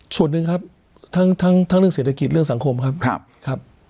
ส่วนหนึ่งครับทั้งเรื่องเศรษฐกิจเรื่องสังคมครับครับ